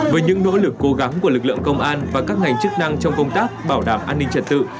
với những nỗ lực cố gắng của lực lượng công an và các ngành chức năng trong công tác bảo đảm an ninh trật tự